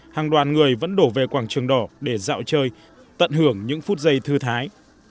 hàng đoàn người vẫn đổ về quảng trường đỏ để dạo chơi tận hưởng những phút giây thư thái